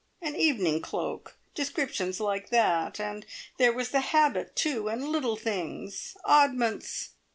`An evening cloak.' Descriptions like that. And there was the habit, too, and little things oddments.